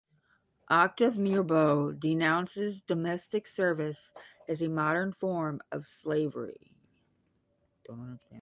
Octave Mirbeau denounces domestic service as a modern form of slavery.